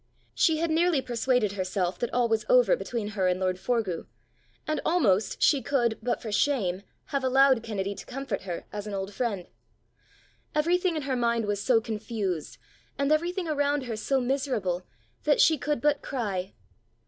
She had nearly persuaded herself that all was over between her and lord Forgue, and almost she could, but for shame, have allowed Kennedy to comfort her as an old friend. Everything in her mind was so confused, and everything around her so miserable, that she could but cry.